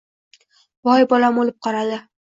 Voy, bolam o‘lib qoladi!